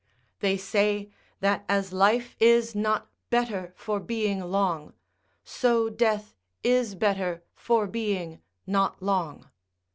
They say, that as life is not better for being long, so death is better for being not long.